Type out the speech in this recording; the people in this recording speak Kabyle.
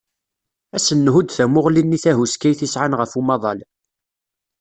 Ad sen-nhudd tamuɣli-nni tahuskayt i sɛan ɣef umaḍal.